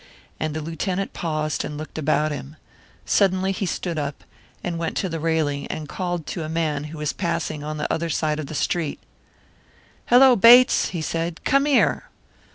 And the Lieutenant paused and looked about him. Suddenly he stood up, and went to the railing and called to a man who was passing on the other side of the street. "Hello, Bates," he said, "come here."